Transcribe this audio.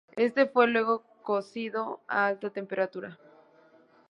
Este fue luego cocido a alta temperatura.